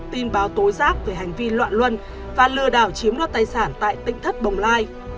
tin báo tố giác về hành vi loạn luân và lừa đảo chiếm đoạt tài sản tại tỉnh thất bồng lai